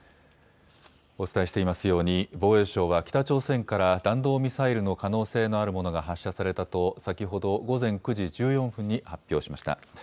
お伝えしていますように防衛省は北朝鮮から弾道ミサイルの可能性のあるものが発射されたと先ほど午前９時１４分に発表しました。